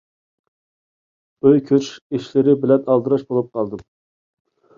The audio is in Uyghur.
ئۆي كۆچۈش ئىشلىرى بىلەن ئالدىراش بولۇپ قالدىم.